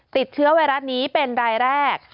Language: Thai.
ติดเชื้อไวรัสนี้เป็นรายแรก